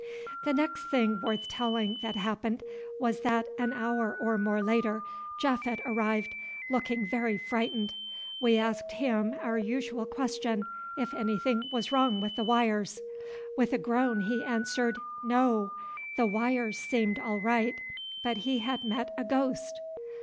The next thing worth telling that happened was that, an hour or more later, Japhet arrived, looking very frightened. We asked him our usual question: if anything was wrong with the wires. With a groan he answered "No," the wires seemed all right, but he had met a ghost.